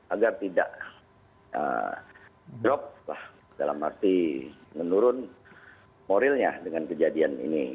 agar tidak drop lah dalam arti menurun moralnya dengan kejadian ini